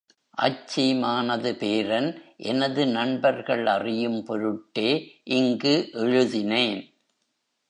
அச்சீமானது பேரன் எனது நண்பர்கள் அறியும் பொருட்டே இங்கு எழுதினேன்.